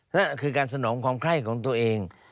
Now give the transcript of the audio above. นั่นคือการสนองความไข้ของตัวเอง